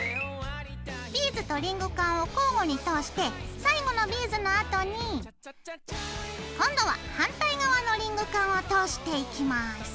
ビーズとリングカンを交互に通して最後のビーズのあとに今度は反対側のリングカンを通していきます。